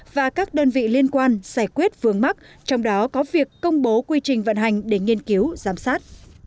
và các đơn vị liên quan giải quyết vướng mắc trong đó có việc công bố quy trình vận hành để nghiên cứu giám sát